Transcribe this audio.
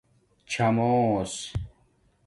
چھݳمݸس